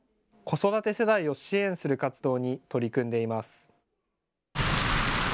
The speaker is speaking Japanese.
子育て世代を支援する活動に取り組んでいます。